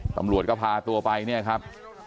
ตำรวจก็พาตัวไปเนี่ยครับ